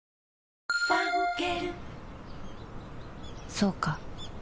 そうか